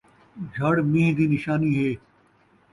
جھڑ مین٘ہ دی نشانی ہے